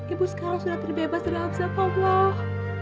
ibu sekarang sudah terbebas dari hafzat allah